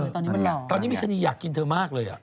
ตอนนี้มันเหล่าว่าอะไรนะตอนนี้มีชนีย์อยากกินเธอมากเลย